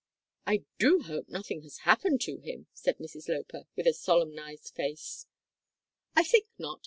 "I do hope nothing has happened to him," said Mrs Loper, with a solemnised face. "I think not.